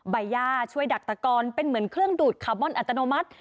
ใบย่าช่วยดักตะกอนเป็นเหมือนเครื่องดูดคาร์บอนอัตโนมัติ